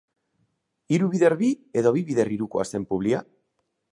Hiru bider bi edo bi bider hirukoa zen publia?